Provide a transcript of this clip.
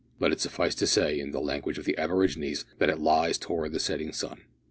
Let it suffice to say, in the language of the aborigines, that it lies towards the setting sun.